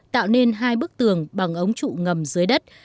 tạo nên hai bức tường bằng ống trụ ngầm dưới đất